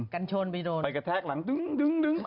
กันชนไปโดนไปกระแทกหลังดึงดึง